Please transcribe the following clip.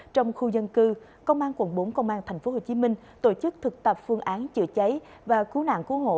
trong khu dân cư công an quận bốn công an tp hcm tổ chức thực tập phương án chữa cháy và cứu nạn cứu hộ